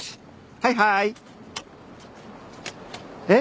はいはーい。えっ？